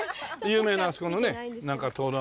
有名なあそこのね灯籠が。